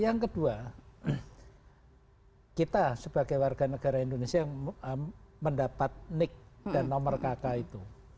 yang kedua kita sebagai warga negara indonesia yang mendapat nik dan nomor kk itu